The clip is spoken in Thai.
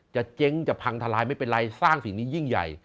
เจ๊งจะพังทลายไม่เป็นไรสร้างสิ่งนี้ยิ่งใหญ่